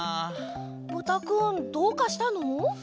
ブタくんどうかしたの？